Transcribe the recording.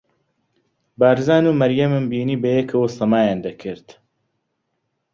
بارزان و مەریەمم بینی بەیەکەوە سەمایان دەکرد.